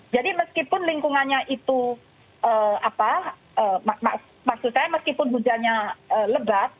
jadi meskipun lingkungannya itu apa maksud saya meskipun hujannya lebat